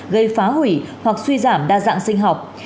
gây phá hủy hoặc suy giảm đa dạng sinh học